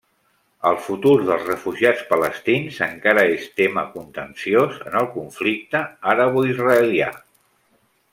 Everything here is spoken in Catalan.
El futur dels refugiats palestins encara és tema contenciós en el conflicte araboisraelià.